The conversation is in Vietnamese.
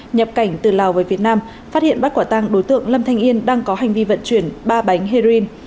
nhập cảnh từ lào về việt nam phát hiện bắt quả tăng đối tượng lâm thanh yên đang có hành vi vận chuyển ba bánh heroin